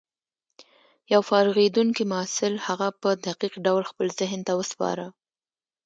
يو فارغېدونکي محصل هغه په دقيق ډول خپل ذهن ته وسپاره.